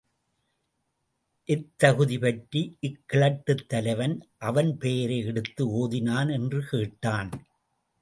எத்தகுதி பற்றி இக் கிழட்டுத் தலைவன் அவன் பெயரை எடுத்து ஒதினான் என்று கேட்டான்.